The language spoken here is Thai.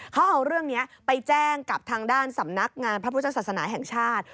เขาเอาเรื่องนี้ไปแจ้งกับทางด้านสำนักงานพระพุทธศาสนาแห่งชาติ